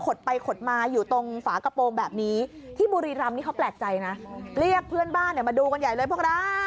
ไปขดมาอยู่ตรงฝากระโปรงแบบนี้ที่บุรีรำนี่เขาแปลกใจนะเรียกเพื่อนบ้านเนี่ยมาดูกันใหญ่เลยพวกเรา